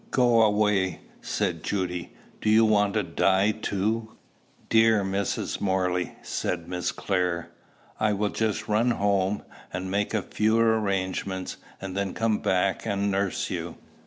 "Go away!" said Judy. "Do you want to die too?" "Dear Mrs. Morley," said Miss Clare, "I will just run home, and make a few arrangements, and then come back and nurse you."